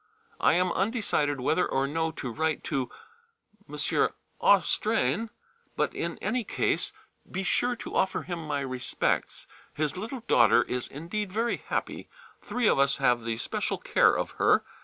I am undecided whether or no to write to M. Austrain, but in any case be sure to offer him my respects. His little daughter[C] is indeed very happy. Three of us have the special care of her.